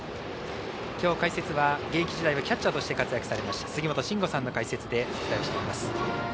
きょう、解説は現役時代はキャッチャーとして活躍されました杉本真吾さんの解説でお伝えしています。